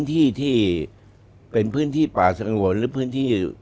ที่เป็นพื้นที่ป่าสงวนหรือพื้นที่